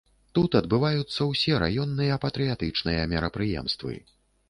Тут адбываюцца ўсе раённыя патрыятычныя мерапрыемствы.